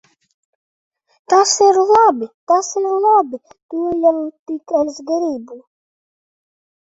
Tas ir labi! Tas ir labi! To jau tik es gribu.